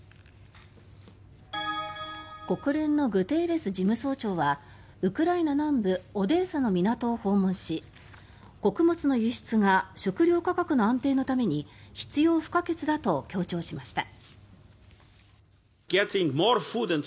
国連のグテーレス事務総長はウクライナ南部オデーサの港を訪問し穀物の輸出が食料価格の安定のために必要不可欠だと強調しました。